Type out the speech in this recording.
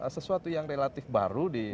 sesuatu yang relatif baru di